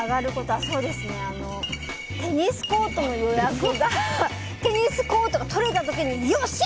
テニスコートの予約がテニスコートが取れた時によっしゃ！